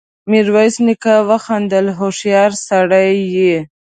ميرويس نيکه وخندل: هوښيار سړی يې!